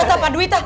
tak pak dwi